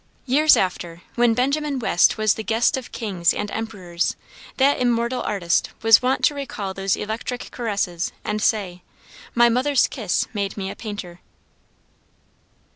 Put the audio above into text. Years after, when Benjamin West was the guest of kings and emperors, that immortal artist was wont to recall those electric caresses and say "my mother's kiss made me a painter."